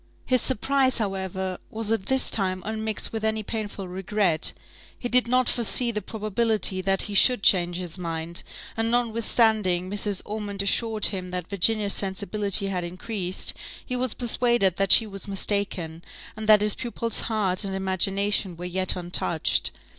His surprise, however, was at this time unmixed with any painful regret; he did not foresee the probability that he should change his mind; and notwithstanding Mrs. Ormond assured him that Virginia's sensibility had increased, he was persuaded that she was mistaken, and that his pupil's heart and imagination were yet untouched.